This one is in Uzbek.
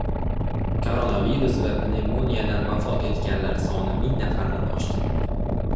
Koronavirus va pnevmoniyadan vafot etganlar soni ming nafardan oshdi